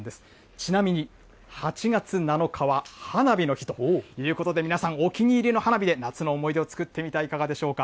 ちなみに８月７日は花火の日ということで、皆さん、お気に入りの花火で夏の思い出を作ってみてはいかがでしょうか。